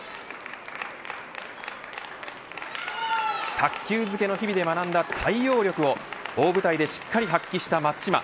卓球漬けの日々で学んだ対応力を大舞台でしっかり発揮した松島。